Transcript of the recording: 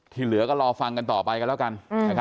เหลือก็รอฟังกันต่อไปกันแล้วกัน